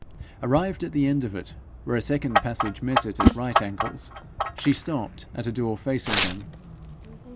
Arrived at the end of it, where a second passage met it at right angles, she stopped at a door facing them.